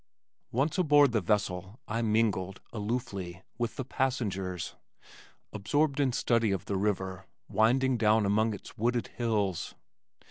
Once aboard the vessel I mingled, aloofly, with the passengers, absorbed in study of the river winding down among its wooded hills.